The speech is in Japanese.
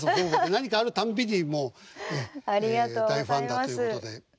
何かあるたんびにもうね大ファンだということで。